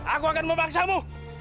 aku akan memaksamu